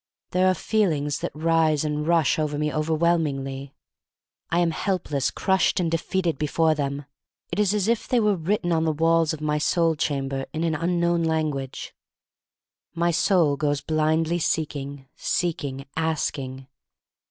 There are feelings that rise and rush over me overwhelmingly. I am help 75 r 76 THE STORY OF MARY MAC LANE less, crushed, and defeated, before them. It is as if they were written on the walls of my soul chamber in an un known language. My soul goes blindly seeking, seek ing, asking.